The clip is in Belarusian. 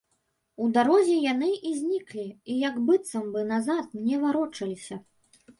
У дарозе яны і зніклі, і як быццам бы назад не варочаліся.